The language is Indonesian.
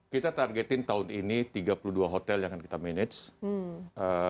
kita targetin tahun ini tiga puluh dua hotel yang akan kita manage